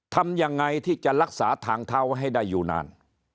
ทำยังไงที่จะรักษาทางเท้าให้ได้อยู่นาน